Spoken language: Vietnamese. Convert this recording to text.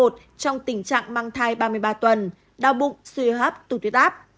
trong tình trạng mang thai ba mươi ba tuần đau bụng suy hấp tụt tuyết áp